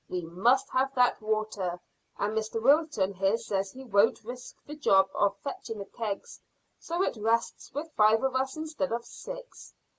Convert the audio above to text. We must have that water, and Mr Wilton here says he won't risk the job of fetching the kegs, so it rests with five of us instead of six.